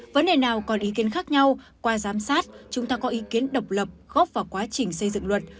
vấn đề nào còn ý kiến khác nhau qua giám sát chúng ta có ý kiến độc lập góp vào quá trình xây dựng luật